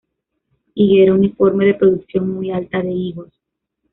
Higuera uniforme, de producción muy alta de higos.